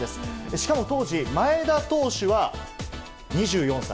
しかも当時、前田投手は２４歳。